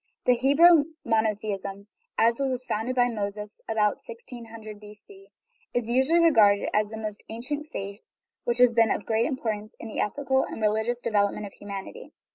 The Hebrew monotheism, as it was founded by Moses (about 1600 B.C.), is usually regarded as the ancient faith which has been of the greatest importance in the ethical and religious development of humanity.